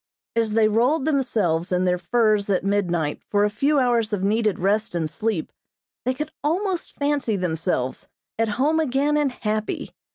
As they rolled themselves in their furs at midnight for a few hours of needed rest and sleep, they could almost fancy themselves at home again and happy.